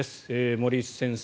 森内先生